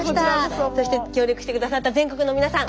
そして協力して下さった全国の皆さん